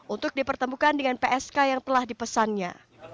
untuk dipertemukan dengan psk yang telah dipesannya